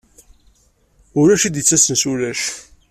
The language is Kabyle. Ulac i d-yettasen s wulac.